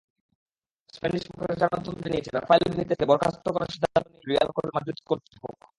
Spanish প্রচারমাধ্যম জানিয়েছে, Rafael বেনিতেজকে বরখাস্ত করার সিদ্ধান্ত নিয়েছে রিয়াল মাদ্রিদ কর্তৃপক্ষ।